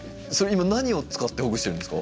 今何を使ってほぐしてるんですか？